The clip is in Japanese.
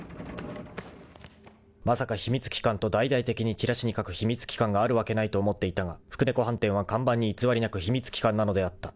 ［まさか「秘密機関」と大々的にチラシに書く秘密機関があるわけないと思っていたが福猫飯店は看板に偽りなく秘密機関なのであった］